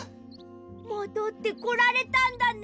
もどってこられたんだね。